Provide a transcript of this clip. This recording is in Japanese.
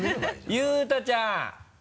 佑太ちゃん！